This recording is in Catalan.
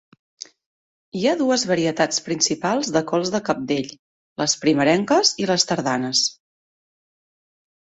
Hi ha dues varietats principals de cols de cabdell: les primerenques i les tardanes.